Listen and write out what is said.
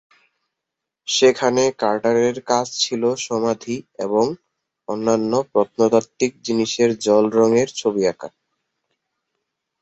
সেখানে কার্টারের কাজ ছিল সমাধি এবং অন্যান্য প্রত্নতাত্ত্বিক জিনিসের জল রং এর ছবি আঁকা।